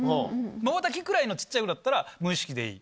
まばたきくらいの小っちゃいのだったら無意識でいい。